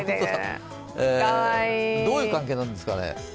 かわいいどういう関係なんですかね？